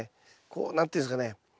こう何て言うんですかね